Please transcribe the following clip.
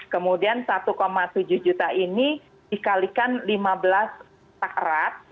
kemudian satu tujuh juta ini dikalikan lima belas tak erat